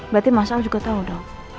berarti mas al juga tau dong